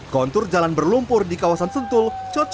kontur jalan berlumpur di kawasan sentul